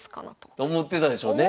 思ってたでしょうね。